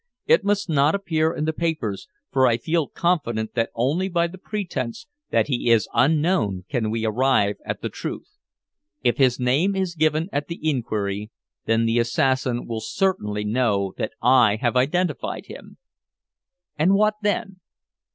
"It must not appear in the papers, for I feel confident that only by the pretense that he is unknown can we arrive at the truth. If his name is given at the inquiry, then the assassin will certainly know that I have identified him." "And what then?"